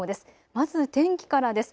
まず天気からです。